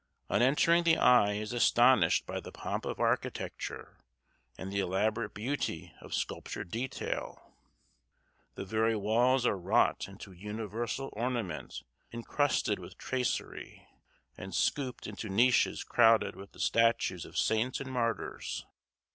On entering the eye is astonished by the pomp of architecture and the elaborate beauty of sculptured detail. The very walls are wrought into universal ornament encrusted with tracery, and scooped into niches crowded with the statues of saints and martyrs.